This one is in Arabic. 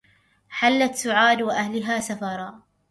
حلت سعاد وأهلها سرفا